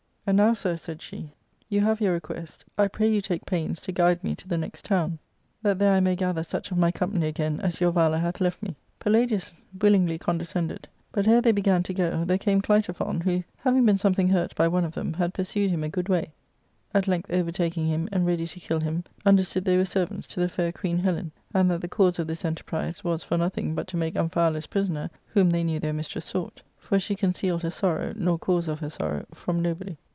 And now, sir," said she, " you have your request, I pray you take pains to guide me to the next town, ARCADIA.—Book I. 6t that there I may gather such of my company again as your valour hath left me." Palladius willingly condescended ; but ere they began to go, there came Clitophon, who, having been something hurt by one of them, had pursued him a good way : at length overtaking him, and ready to kill him, understood they were servants to the fair Queen Helen, and that the cause of this enterprise was for nothing but to make Amphialus prisoner, whom they knew their mistress sought ; for she concealed her sorrow, nor cause of her sorrow, from nobody.